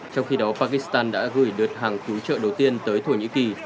trong khi đó pakistan đã gửi đợt hàng cứu trợ đầu tiên tới thổ nhĩ kỳ